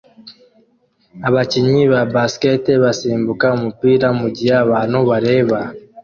Abakinnyi ba Basketball basimbuka umupira mugihe abantu bareba